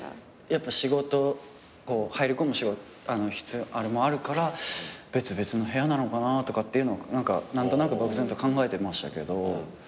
やっぱ仕事入り込む必要あれもあるから別々の部屋なのかなとかっていうのは何となく漠然と考えてましたけど。